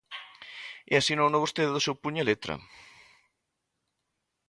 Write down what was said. E asinouno vostede do seu puño e letra.